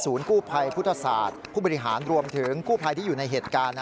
กู้ภัยพุทธศาสตร์ผู้บริหารรวมถึงกู้ภัยที่อยู่ในเหตุการณ์